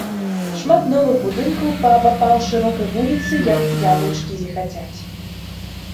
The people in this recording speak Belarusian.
Шмат новых будынкаў паабапал шырокай вуліцы, як яблычкі зіхацяць.